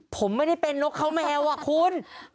ผมไม่ได้เป็นนกเขาแมวอะคุณ